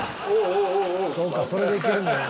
そうかそれでいけるもんな。